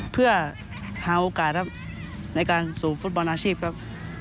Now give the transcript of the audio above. เพื่อหาโอกาสในการสูงฟุตบอลนาชีพ